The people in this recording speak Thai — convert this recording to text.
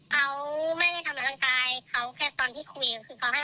เขาไม่ได้ทำบรรทางกายเขาแค่ตอนที่คุยคือเขาให้เอาโทรศัพท์อ่ะวาง